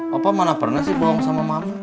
papa malah pernah sih bohong sama mama